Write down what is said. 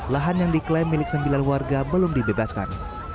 lahan yang diklaim milik sembilan warga belum dibebaskan